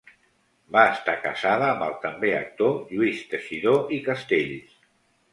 Va estar casada amb el també actor Lluís Teixidor i Castells.